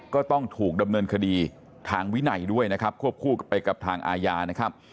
ก็ต้องถูกดำเนินคดีทางวินัยด้วยนะครับควบคู่กันไปกับทางอาญานะครับ